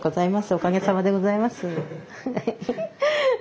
おかげさまでございます。